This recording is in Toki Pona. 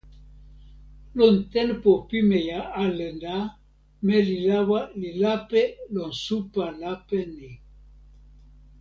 lon tenpo pimeja ale la, meli lawa li lape lon supa lape ni.